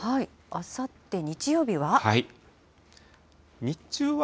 あさって日曜日は。